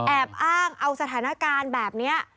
แอบอ้างเอาสถานการณ์แบบนี้